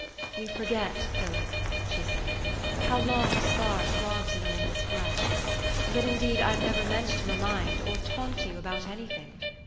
" You forget, Philip," she said, " how long a scar throbs in a woman's flesh. But indeed I've never meant to remind or taunt you about any thing."